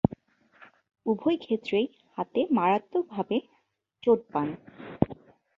উভয়ক্ষেত্রেই হাতে মারাত্মকভাবে চোট পান।